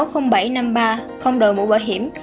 sáu mươi nghìn bảy trăm năm mươi ba không đổi mũ bảo hiểm